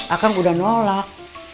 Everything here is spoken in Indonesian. akang udah nolak